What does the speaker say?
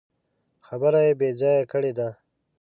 خبره يې بې ځايه کړې ده.